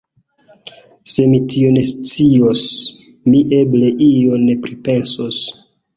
Se mi tion scios, mi eble ion pripensos.